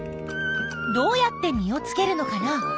どうやって実をつけるのかな？